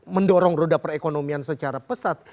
mendorong roda perekonomian secara pesat